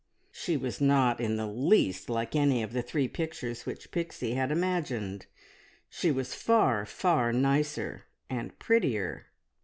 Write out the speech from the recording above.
She was not in the least like any of the three pictures which Pixie had imagined, she was far, far nicer and prettier.